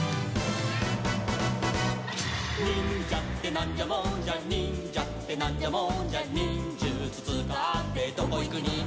「にんじゃってなんじゃもんじゃ」「にんじゃってなんじゃもんじゃ」「にんじゅつつかってどこいくにんじゃ」